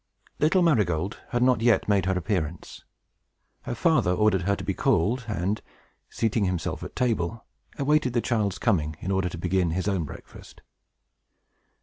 Little Marygold had not yet made her appearance. Her father ordered her to be called, and, seating himself at table, awaited the child's coming, in order to begin his own breakfast.